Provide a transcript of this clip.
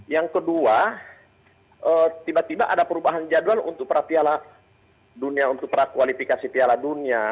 yang kedua tiba tiba ada perubahan jadwal untuk prakualifikasi piala dunia